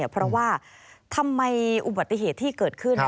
เพราะว่าทำไมอุบัติเหตุที่เกิดขึ้น